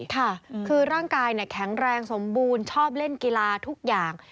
ค่ะคือร่างกายแข็งแรงสมบูรณ์ชอบเล่นกีฬาทุกอย่าง